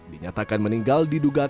dinyatakan meninggal diduga